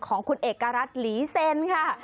ของคุณเอกรัฐหลีเซ็นค่ะ